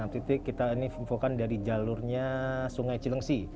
enam titik kita ini infokan dari jalurnya sungai cilengsi